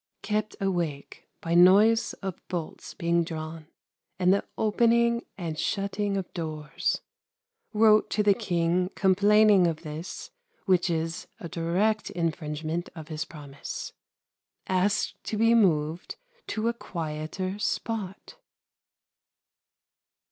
Kept awake by noise of bolts being drawn, and the opening and shutting of doors. Wrote to the King complaining of this which is a direct infringement of his promise. Asked to be moved to a quieter spot.